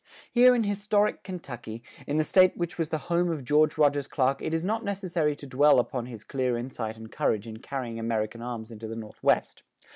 Here in historic Kentucky, in the State which was the home of George Rogers Clark it is not necessary to dwell upon his clear insight and courage in carrying American arms into the Northwest.